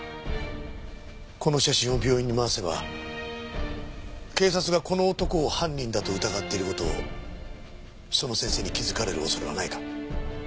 この写真を病院に回せば警察がこの男を犯人だと疑っている事をその先生に気づかれる恐れはないか？